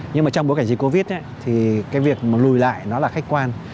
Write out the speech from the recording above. nhưng mà trong bối cảnh dịch covid thì cái việc mà lùi lại nó là khách quan